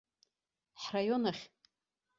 Ҳраион ахь.